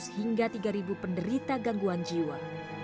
dua ratus hingga tiga penderita gangguan jiwa